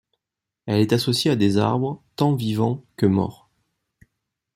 Elle est associée à des arbres tant vivants que morts.